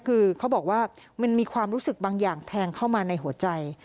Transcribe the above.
คือเขาบอกว่ามันมีความรู้สึกบางอย่างแทงเข้ามาในหัวใจ